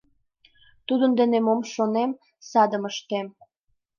Тудын дене мом шонем, садым ыштем!